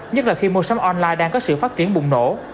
nhất là khi mua sắm online đang có sự phát triển bùng nổ